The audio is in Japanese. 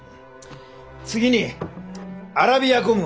次にアラビアゴムを塗る。